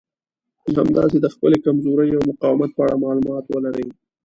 همداسې د خپلې کمزورۍ او مقاومت په اړه مالومات ولرئ.